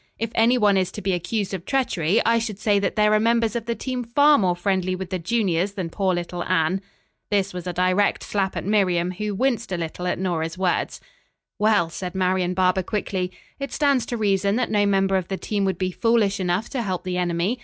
If any one is to be accused of treachery, I should say that there are members of the team far more friendly with the juniors than poor little Anne." This was a direct slap at Miriam, who winced a little at Nora's words. "Well," said Marian Barber quickly, "it stands to reason that no member of the team would be foolish enough to help the enemy.